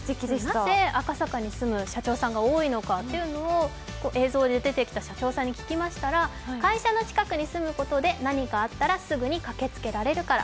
なぜ、赤坂に住む社長さんが多いのかというのを映像で出てきた社長さんに聞きましたら会社の近くに住むことで何かあったらすぐに駆けつけられるから。